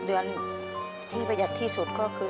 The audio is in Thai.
เดือนที่ประหยัดที่สุดก็คือ